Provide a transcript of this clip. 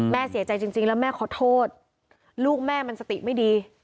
เสียใจจริงแล้วแม่ขอโทษลูกแม่มันสติไม่ดี